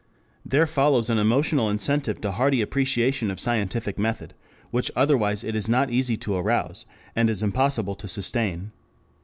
There follows an emotional incentive to hearty appreciation of scientific method, which otherwise it is not easy to arouse, and is impossible to sustain.